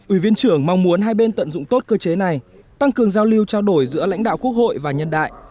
ủy viên trưởng mong muốn hai bên tận dụng tốt cơ chế này tăng cường giao lưu trao đổi giữa lãnh đạo quốc hội và nhân đại